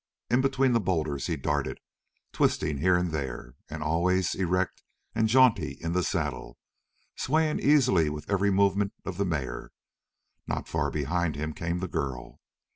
In between the boulders he darted, twisting here and there, and always erect and jaunty in the saddle, swaying easily with every movement of the mare. Not far behind him came the girl.